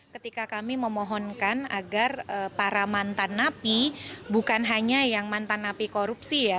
ketika kami memohonkan agar para mantan napi bukan hanya yang mantan napi korupsi ya